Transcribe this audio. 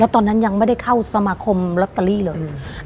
ตอนนั้นยังไม่ได้เข้าสมาคมลอตเตอรี่เลย